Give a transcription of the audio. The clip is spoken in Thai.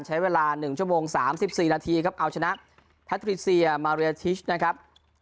ใช้เวลาหนึ่งชั่วโมงสามสิบสี่นาทีครับเอาชนะพาตรีเซียมาเรียทิชนะครับ